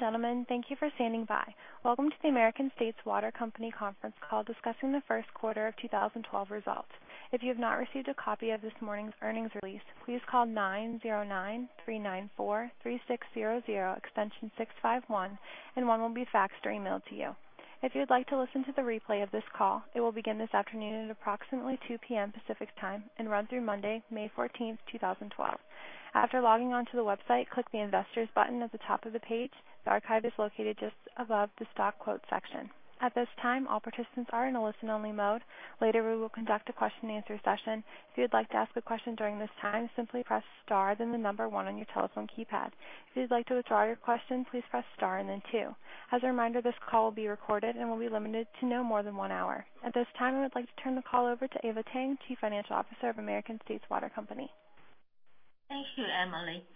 Ladies and gentlemen, thank you for standing by. Welcome to the American States Water Company conference call discussing the first quarter of 2012 results. If you have not received a copy of this morning's earnings release, please call 909-394-3600, extension 651, and one will be faxed or emailed to you. If you'd like to listen to the replay of this call, it will begin this afternoon at approximately 2:00 P.M. Pacific Time and run through Monday, May 14th, 2012. After logging on to the website, click the Investors button at the top of the page. The archive is located just above the stock quote section. At this time, all participants are in a listen-only mode. Later, we will conduct a question and answer session. If you'd like to ask a question during this time, simply press star, then the number one on your telephone keypad. If you'd like to withdraw your question, please press star and then two. As a reminder, this call will be recorded and will be limited to no more than one hour. At this time, I would like to turn the call over to Eva Tang, Chief Financial Officer of American States Water Company. Thank you, Emily.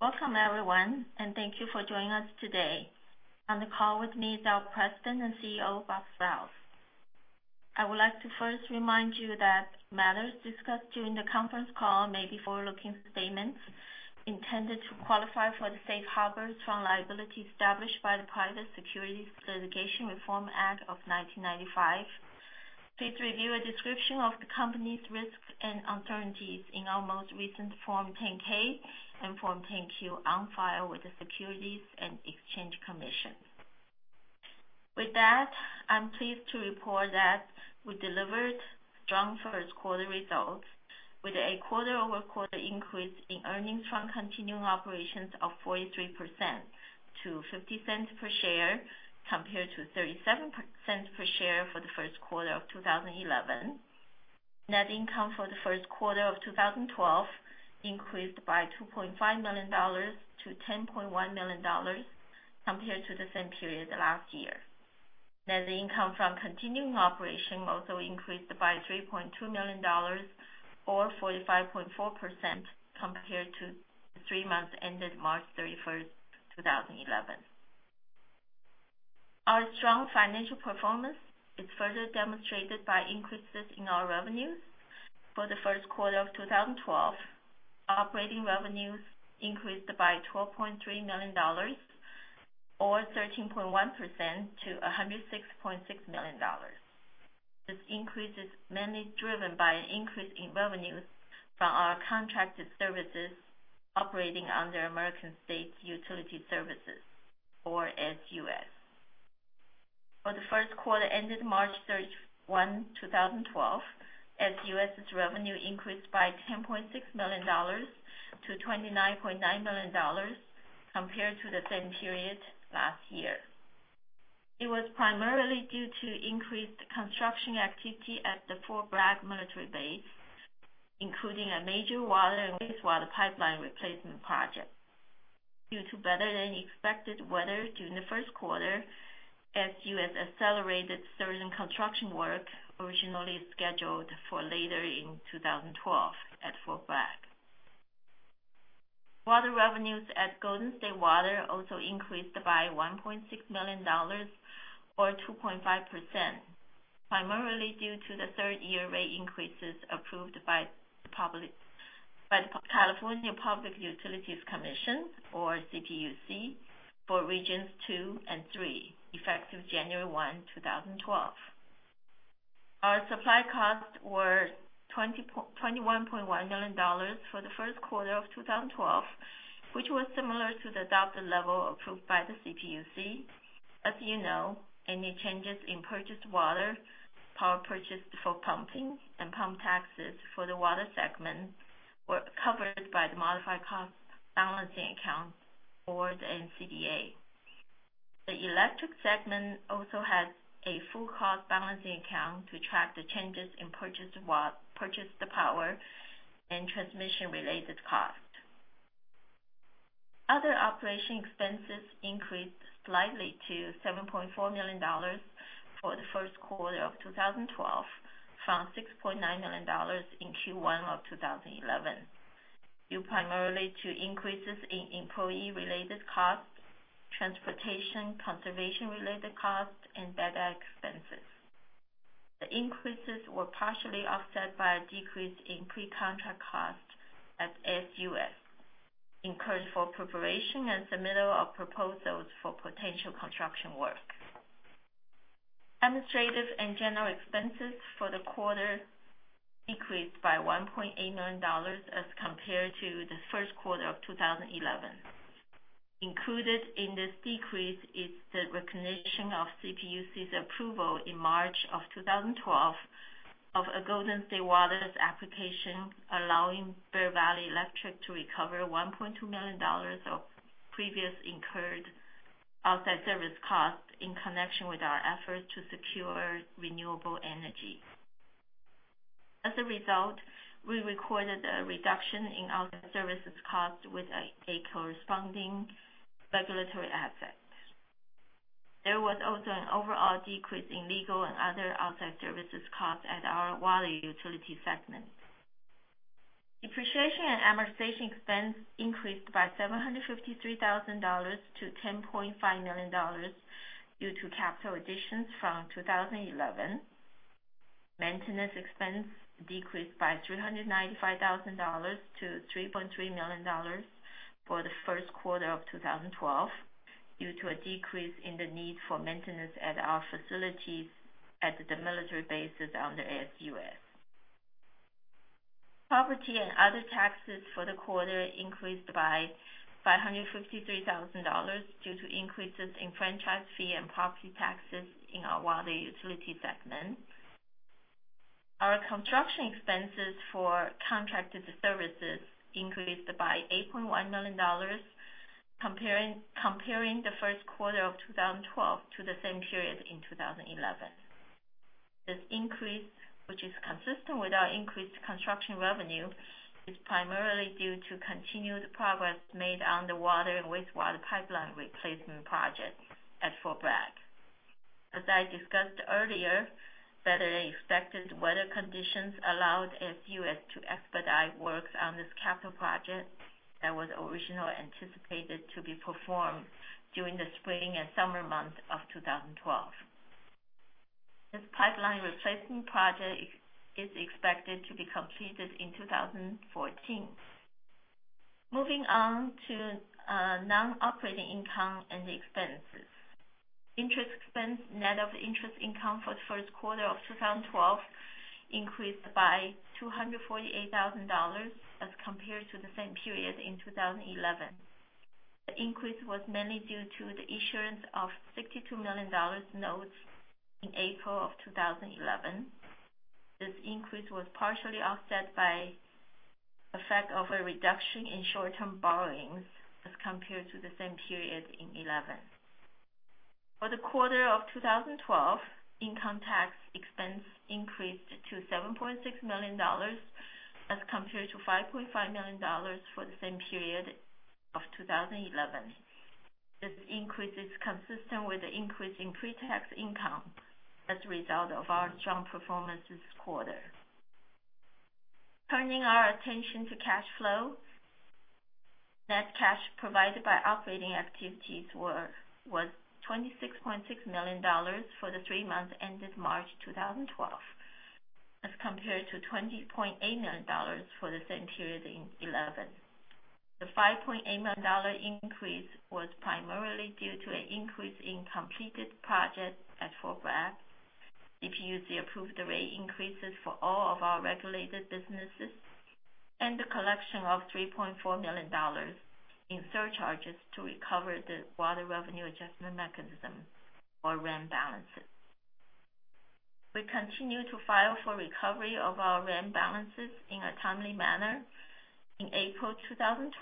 Welcome everyone, and thank you for joining us today. On the call with me is our President and CEO, Rob Sprowls. I would like to first remind you that matters discussed during the conference call may be forward-looking statements intended to qualify for the safe harbor from liability established by the Private Securities Litigation Reform Act of 1995. Please review a description of the company's risks and uncertainties in our most recent Form 10-K and Form 10-Q on file with the Securities and Exchange Commission. With that, I'm pleased to report that we delivered strong first quarter results with a quarter-over-quarter increase in earnings from continuing operations of 43% to $0.50 per share, compared to $0.37 per share for the first quarter of 2011. Net income for the first quarter of 2012 increased by $2.5 million to $10.1 million compared to the same period last year. Net income from continuing operation also increased by $3.2 million or 45.4% compared to the three months ended March 31st, 2011. Our strong financial performance is further demonstrated by increases in our revenues. For the first quarter of 2012, operating revenues increased by $12.3 million or 13.1% to $106.6 million. This increase is mainly driven by an increase in revenues from our contracted services operating under American States Utility Services, or ASUS. For the first quarter ended March 31, 2012, ASUS's revenue increased by $10.6 million to $29.9 million compared to the same period last year. It was primarily due to increased construction activity at the Fort Bragg military base, including a major water and wastewater pipeline replacement project. Due to better-than-expected weather during the first quarter, ASUS accelerated certain construction work originally scheduled for later in 2012 at Fort Bragg. Water revenues at Golden State Water also increased by $1.6 million or 2.5%, primarily due to the third-year rate increases approved by the California Public Utilities Commission, or CPUC, for Regions two and three effective January 1, 2012. Our supply costs were $21.1 million for the first quarter of 2012, which was similar to the adopted level approved by the CPUC. As you know, any changes in purchased water, power purchased for pumping, and pump taxes for the water segment were covered by the Modified Cost Balancing Account or the MCBA. The electric segment also has a full cost balancing account to track the changes in purchased power and transmission-related costs. Other operation expenses increased slightly to $7.4 million for the first quarter of 2012 from $6.9 million in Q1 of 2011, due primarily to increases in employee-related costs, transportation, conservation-related costs, and bad debt expenses. The increases were partially offset by a decrease in pre-contract costs at ASUS, incurred for preparation and submittal of proposals for potential construction work. Administrative and general expenses for the quarter decreased by $1.8 million as compared to the first quarter of 2011. Included in this decrease is the recognition of CPUC's approval in March of 2012 of Golden State Water's application allowing Bear Valley Electric to recover $1.2 million of previously incurred outside service costs in connection with our efforts to secure renewable energy. As a result, we recorded a reduction in outside services cost with a corresponding regulatory asset. There was also an overall decrease in legal and other outside services costs at our water utility segment. Depreciation and amortization expense increased by $753,000 to $10.5 million due to capital additions from 2011. Maintenance expense decreased by $395,000 to $3.3 million for the first quarter of 2012, due to a decrease in the need for maintenance at our facilities at the military bases under ASUS. Property and other taxes for the quarter increased by $553,000 due to increases in franchise fee and property taxes in our water utility segment. Our construction expenses for contracted services increased by $8.1 million, comparing the first quarter of 2012 to the same period in 2011. This increase, which is consistent with our increased construction revenue, is primarily due to continued progress made on the water and wastewater pipeline replacement project at Fort Bragg. As I discussed earlier, better-than-expected weather conditions allowed ASUS to expedite works on this capital project that was originally anticipated to be performed during the spring and summer months of 2012. This pipeline replacement project is expected to be completed in 2014. Moving on to non-operating income and expenses. Interest expense, net of interest income for the first quarter of 2012 increased by $248,000 as compared to the same period in 2011. The increase was mainly due to the issuance of $62 million notes in April of 2011. This increase was partially offset by effect of a reduction in short-term borrowings as compared to the same period in 2011. For the quarter of 2012, income tax expense increased to $7.6 million as compared to $5.5 million for the same period of 2011. This increase is consistent with the increase in pre-tax income as a result of our strong performance this quarter. Turning our attention to cash flow. Net cash provided by operating activities was $26.6 million for the three months ended March 2012, as compared to $20.8 million for the same period in 2011. The $5.8 million increase was primarily due to an increase in completed projects at Fort Bragg. CPUC approved the rate increases for all of our regulated businesses, and the collection of $3.4 million in surcharges to recover the Water Revenue Adjustment Mechanism, or WRAM balances. We continue to file for recovery of our WRAM balances in a timely manner. In April 2012,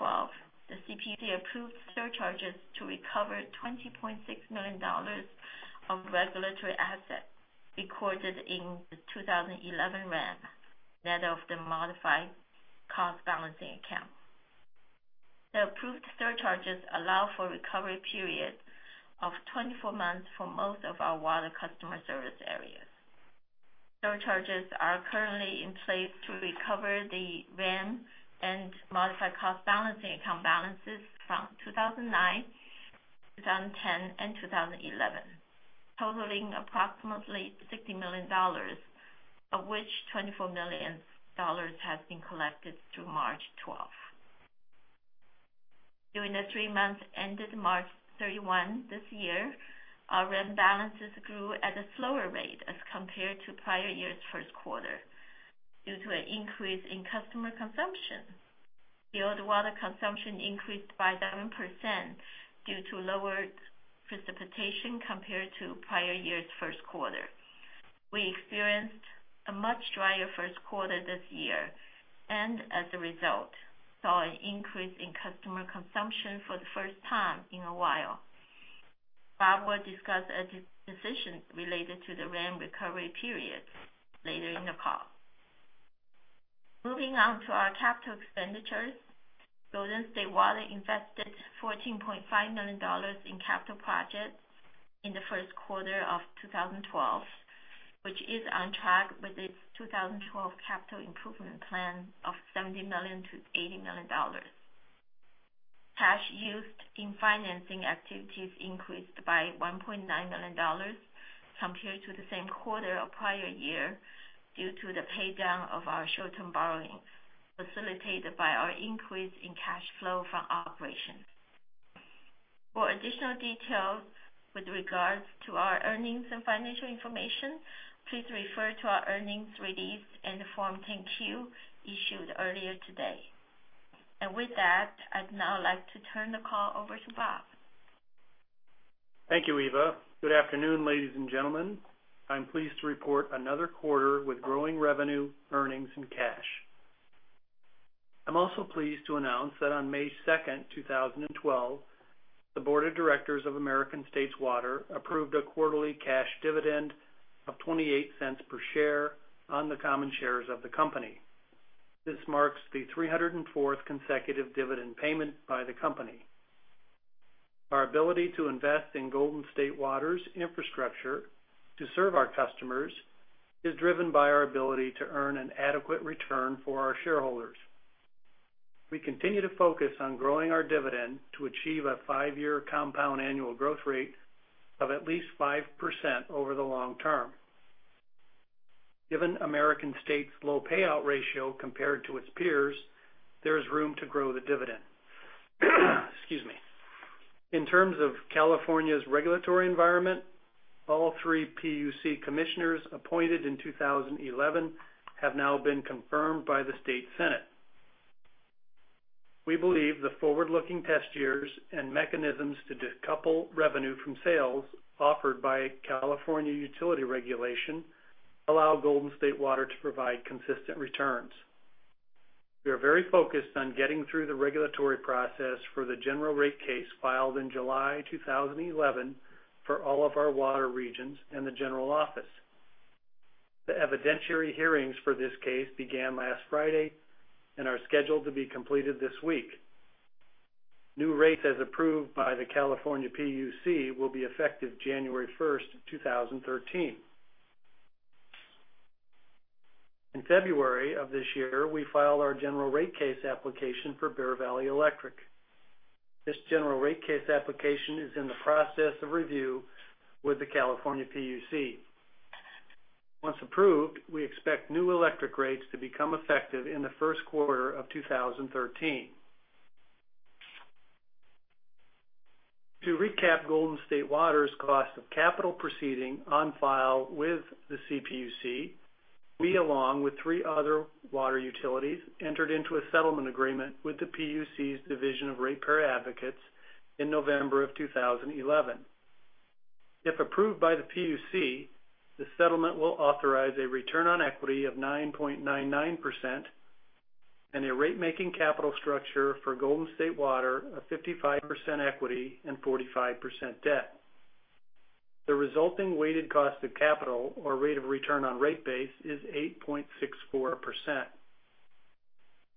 the CPUC approved surcharges to recover $20.6 million of regulatory assets recorded in the 2011 WRAM net of the Modified Cost Balancing Account. The approved surcharges allow for a recovery period of 24 months for most of our water customer service areas. Surcharges are currently in place to recover the WRAM and Modified Cost Balancing Account balances from 2009, 2010, and 2011, totaling approximately $60 million, of which $24 million has been collected through March 2012. During the three months ended March 31 this year, our WRAM balances grew at a slower rate as compared to prior year's first quarter due to an increase in customer consumption. The all water consumption increased by 7% due to lower precipitation compared to prior year's first quarter. We experienced a much drier first quarter this year, and as a result, saw an increase in customer consumption for the first time in a while. Bob will discuss a decision related to the WRAM recovery period later in the call. Moving on to our capital expenditures. Golden State Water invested $14.5 million in capital projects in the first quarter of 2012, which is on track with its 2012 capital improvement plan of $70 million-$80 million. Cash used in financing activities increased by $1.9 million compared to the same quarter of prior year due to the paydown of our short-term borrowing, facilitated by our increase in cash flow from operations. For additional details with regards to our earnings and financial information, please refer to our earnings release and Form 10-Q issued earlier today. With that, I'd now like to turn the call over to Bob. Thank you, Eva. Good afternoon, ladies and gentlemen. I'm pleased to report another quarter with growing revenue, earnings, and cash. I'm also pleased to announce that on May 2nd, 2012, the Board of Directors of American States Water approved a quarterly cash dividend of $0.28 per share on the common shares of the company. This marks the 304th consecutive dividend payment by the company. Our ability to invest in Golden State Water's infrastructure to serve our customers is driven by our ability to earn an adequate return for our shareholders. We continue to focus on growing our dividend to achieve a five-year compound annual growth rate of at least 5% over the long term. Given American States' low payout ratio compared to its peers, there is room to grow the dividend. Excuse me. In terms of California's regulatory environment, all three PUC commissioners appointed in 2011 have now been confirmed by the State Senate. We believe the forward-looking test years and mechanisms to decouple revenue from sales offered by California utility regulation allow Golden State Water to provide consistent returns. We are very focused on getting through the regulatory process for the general rate case filed in July 2011 for all of our water regions and the general office. The evidentiary hearings for this case began last Friday and are scheduled to be completed this week. New rates, as approved by the California PUC, will be effective January 1st, 2013. In February of this year, we filed our general rate case application for Bear Valley Electric Service. This general rate case application is in the process of review with the California PUC. Once approved, we expect new electric rates to become effective in the first quarter of 2013. To recap Golden State Water's cost of capital proceeding on file with the CPUC, we, along with three other water utilities, entered into a settlement agreement with the PUC's Public Advocates Office in November of 2011. If approved by the PUC, the settlement will authorize a return on equity of 9.99% and a rate-making capital structure for Golden State Water of 55% equity and 45% debt. The resulting weighted cost of capital or rate of return on rate base is 8.64%.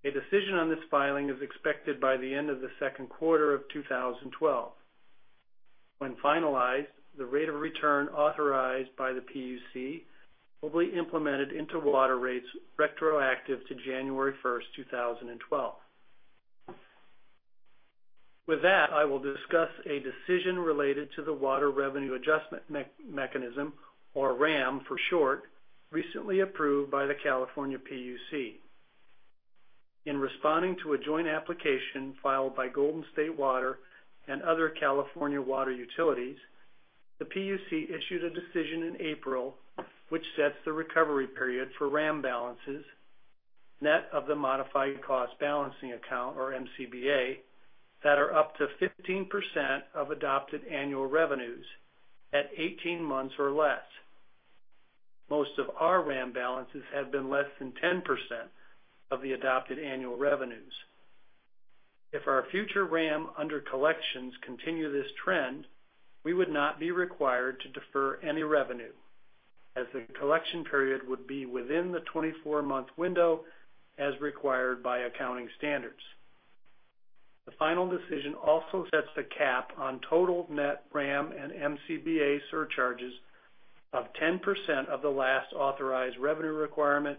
A decision on this filing is expected by the end of the second quarter of 2012. When finalized, the rate of return authorized by the PUC will be implemented into water rates retroactive to January 1st, 2012. With that, I will discuss a decision related to the Water Revenue Adjustment Mechanism, or RAM for short, recently approved by the California PUC. In responding to a joint application filed by Golden State Water and other California water utilities, the PUC issued a decision in April, which sets the recovery period for RAM balances, net of the Modified Cost Balancing Account, or MCBA, that are up to 15% of adopted annual revenues at 18 months or less. Most of our RAM balances have been less than 10% of the adopted annual revenues. If our future RAM under-collections continue this trend, we would not be required to defer any revenue, as the collection period would be within the 24-month window as required by accounting standards. The final decision also sets the cap on total net RAM and MCBA surcharges of 10% of the last authorized revenue requirement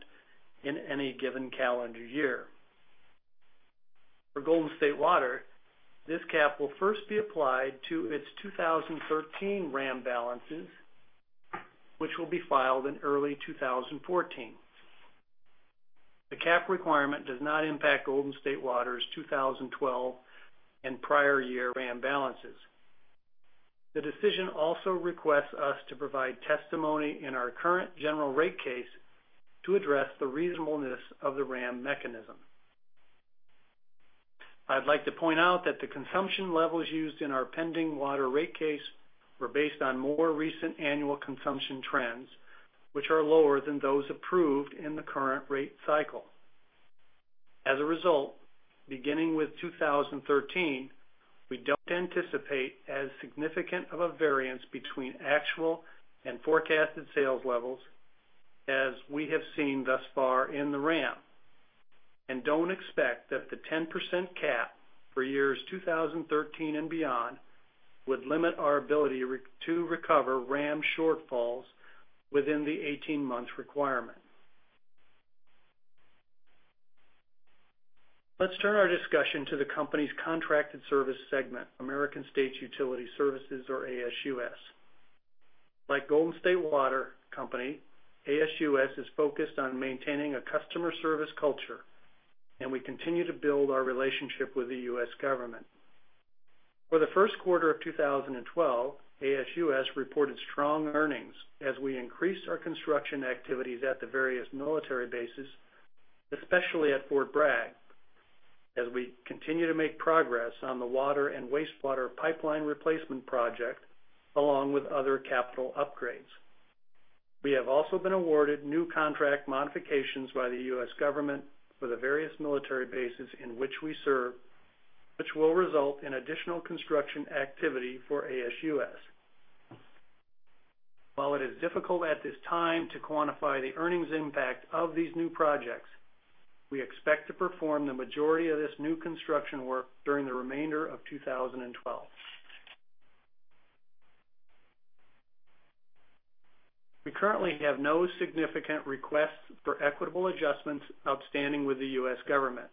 in any given calendar year. For Golden State Water, this cap will first be applied to its 2013 RAM balances, which will be filed in early 2014. The cap requirement does not impact Golden State Water's 2012 and prior year RAM balances. The decision also requests us to provide testimony in our current general rate case to address the reasonableness of the RAM mechanism. I'd like to point out that the consumption levels used in our pending water rate case were based on more recent annual consumption trends, which are lower than those approved in the current rate cycle. As a result, beginning with 2013, we don't anticipate as significant of a variance between actual and forecasted sales levels as we have seen thus far in the RAM, and don't expect that the 10% cap for years 2013 and beyond would limit our ability to recover RAM shortfalls within the 18 months requirement. Let's turn our discussion to the company's contracted service segment, American States Utility Services, or ASUS. Like Golden State Water Company, ASUS is focused on maintaining a customer service culture, and we continue to build our relationship with the U.S. government. For the first quarter of 2012, ASUS reported strong earnings as we increased our construction activities at the various military bases, especially at Fort Bragg, as we continue to make progress on the water and wastewater pipeline replacement project, along with other capital upgrades. We have also been awarded new contract modifications by the U.S. government for the various military bases in which we serve, which will result in additional construction activity for ASUS. While it is difficult at this time to quantify the earnings impact of these new projects, we expect to perform the majority of this new construction work during the remainder of 2012. We currently have no significant requests for equitable adjustments outstanding with the U.S. government.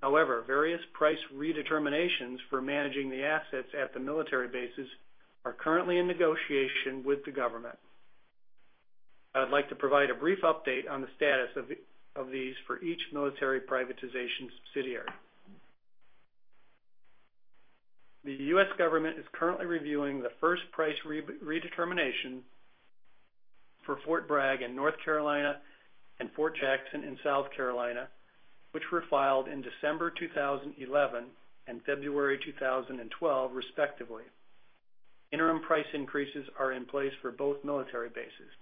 However, various price redeterminations for managing the assets at the military bases are currently in negotiation with the government. I'd like to provide a brief update on the status of these for each military privatization subsidiary. The U.S. government is currently reviewing the first price redetermination for Fort Bragg in North Carolina and Fort Jackson in South Carolina, which were filed in December 2011 and February 2012, respectively. Interim price increases are in place for both military bases.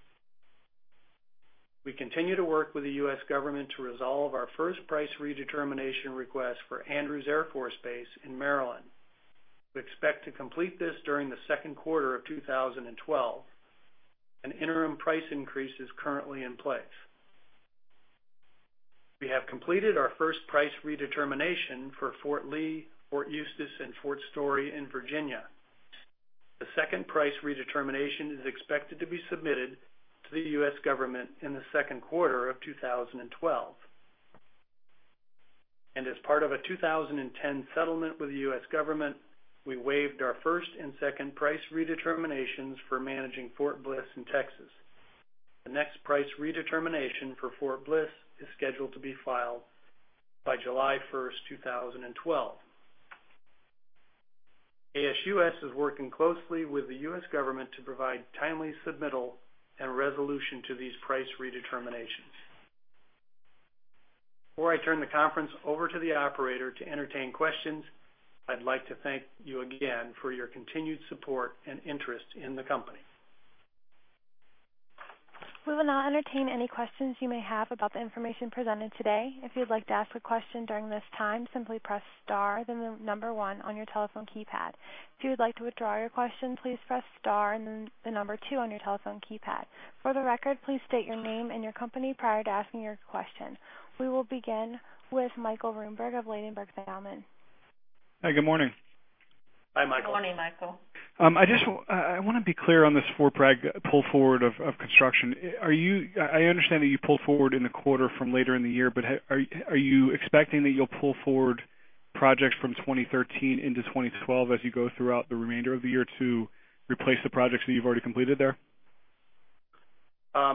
We continue to work with the U.S. government to resolve our first price redetermination request for Andrews Air Force Base in Maryland. We expect to complete this during the second quarter of 2012. An interim price increase is currently in place. We have completed our first price redetermination for Fort Lee, Fort Eustis, and Fort Story in Virginia. The second price redetermination is expected to be submitted to the U.S. government in the second quarter of 2012. As part of a 2010 settlement with the U.S. government, we waived our first and second price redeterminations for managing Fort Bliss in Texas. The next price redetermination for Fort Bliss is scheduled to be filed by July 1st, 2012. ASUS is working closely with the U.S. government to provide timely submittal and resolution to these price redeterminations. Before I turn the conference over to the operator to entertain questions, I'd like to thank you again for your continued support and interest in the company. We will now entertain any questions you may have about the information presented today. If you'd like to ask a question during this time, simply press star, then the number one on your telephone keypad. If you would like to withdraw your question, please press star and then the number two on your telephone keypad. For the record, please state your name and your company prior to asking your question. We will begin with Michael Roomberg of Ladenburg Thalmann. Hi, good morning. Hi, Michael. Good morning, Michael. I want to be clear on this Fort Bragg pull forward of construction. I understand that you pulled forward in the quarter from later in the year, are you expecting that you'll pull forward projects from 2013 into 2012 as you go throughout the remainder of the year to replace the projects that you've already completed there?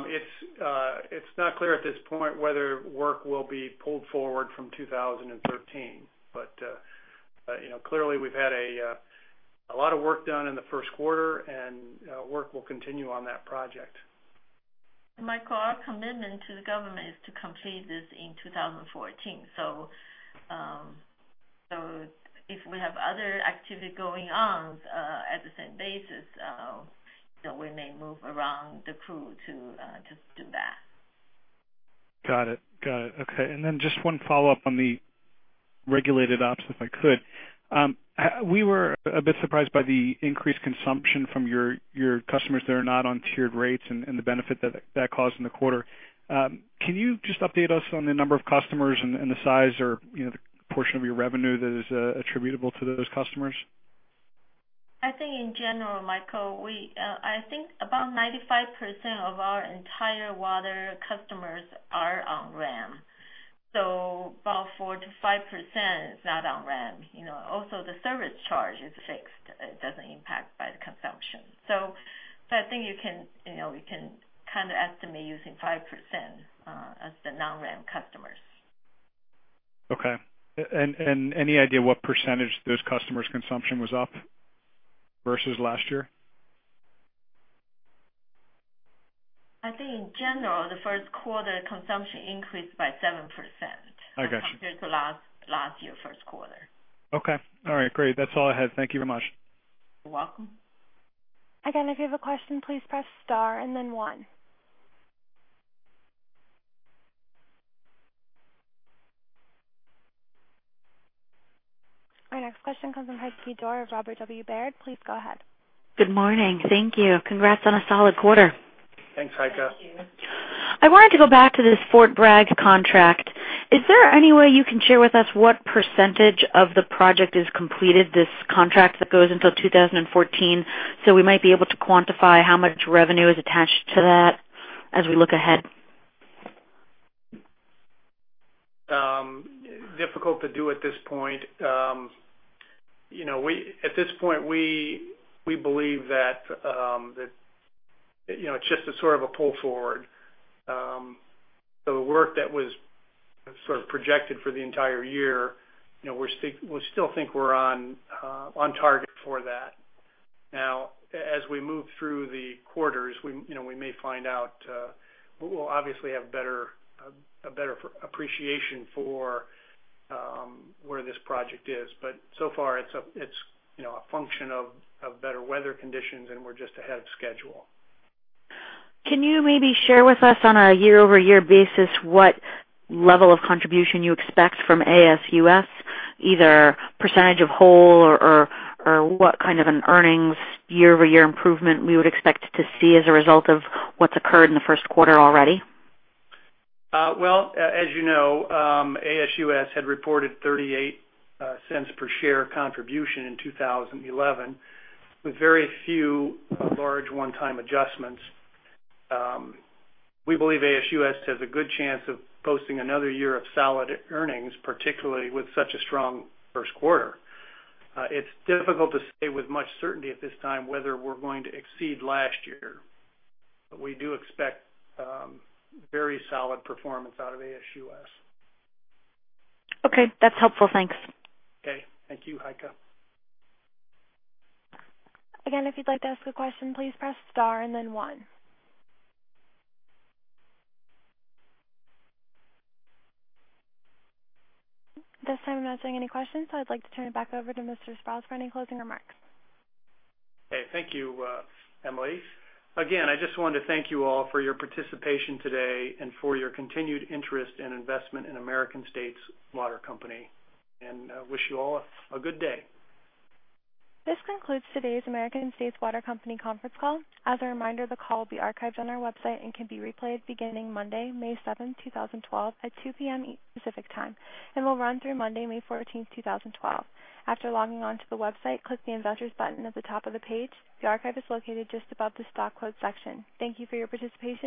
It's not clear at this point whether work will be pulled forward from 2013. Clearly, we've had a lot of work done in the first quarter, and work will continue on that project. Michael, our commitment to the government is to complete this in 2014. If we have other activity going on at the same bases, we may move around the crew to do that. Got it. Okay. Just one follow-up on the regulated ops, if I could. We were a bit surprised by the increased consumption from your customers that are not on tiered rates and the benefit that caused in the quarter. Can you just update us on the number of customers and the size or the portion of your revenue that is attributable to those customers? I think in general, Michael, I think about 95% of our entire water customers are on RAM. About 4%-5% is not on RAM. Also, the service charge is fixed. It doesn't impact by the consumption. I think we can estimate using 5% as the non-RAM customers. Okay. Any idea what % those customers' consumption was up versus last year? I think in general, the first quarter consumption increased by 7%. I got you. compared to last year, first quarter. Okay. All right, great. That's all I had. Thank you very much. You're welcome. Again, if you have a question, please press star and then one. Our next question comes from Heike D of Robert W. Baird. Please go ahead. Good morning. Thank you. Congrats on a solid quarter. Thanks, Heike. Thank you. I wanted to go back to this Fort Bragg contract. Is there any way you can share with us what % of the project is completed, this contract that goes until 2014, so we might be able to quantify how much revenue is attached to that as we look ahead? Difficult to do at this point. At this point, we believe that it's just a sort of a pull forward. The work that was projected for the entire year, we still think we're on target for that. Now, as we move through the quarters, we may find out, we'll obviously have a better appreciation for where this project is. So far, it's a function of better weather conditions, and we're just ahead of schedule. Can you maybe share with us on a year-over-year basis what level of contribution you expect from ASUS, either percentage of whole or what kind of an earnings year-over-year improvement we would expect to see as a result of what's occurred in the first quarter already? Well, as you know ASUS had reported $0.38 per share contribution in 2011 with very few large one-time adjustments. We believe ASUS has a good chance of posting another year of solid earnings, particularly with such a strong first quarter. It's difficult to say with much certainty at this time whether we're going to exceed last year, we do expect very solid performance out of ASUS. Okay. That's helpful. Thanks. Okay. Thank you, Heike. Again, if you'd like to ask a question, please press star and then one. This time I'm not seeing any questions. I'd like to turn it back over to Mr. Sprowls for any closing remarks. Okay. Thank you, Emily. Again, I just wanted to thank you all for your participation today and for your continued interest and investment in American States Water Company. Wish you all a good day. This concludes today's American States Water Company conference call. As a reminder, the call will be archived on our website and can be replayed beginning Monday, May 7, 2012, at 2:00 P.M. Pacific Time and will run through Monday, May 14, 2012. After logging on to the website, click the Investors button at the top of the page. The archive is located just above the stock quote section. Thank you for your participation.